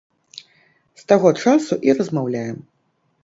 З таго часу і размаўляем.